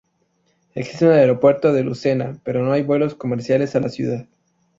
Existe un aeropuerto de Lucena, pero no hay vuelos comerciales a la ciudad.